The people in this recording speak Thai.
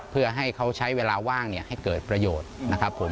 เพื่อให้เขาใช้เวลาว่างให้เกิดประโยชน์นะครับผม